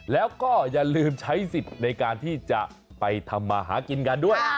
แล้วก็อย่าลืมใช้สิทธิ์ในการที่จะไปทำมาหากินกันด้วย